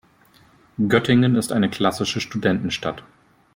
Göttingen ist eine klassische Studentenstadt.